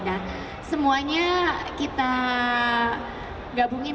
dan semuanya kita gabungin